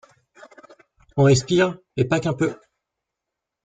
On respire et pas qu’un peu.